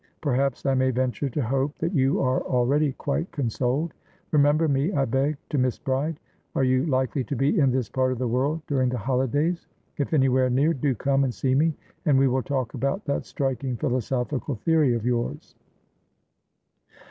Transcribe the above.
Perhaps I may venture to hope that you are already quite consoled? Remember me, I beg, to Miss Bride. Are you likely to be in this part of the world during the holidays? If anywhere near, do come and see me, and we will talk about that striking philosophical theory of yours."